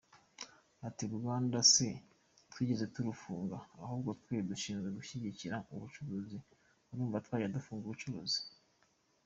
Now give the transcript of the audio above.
Ati “Uruganda se twigeze turufunga ahubwo, twe dushinzwe gushyigikira ubucuruzi urumva twajya gufunga ubucuruzi?